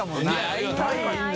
会いたい。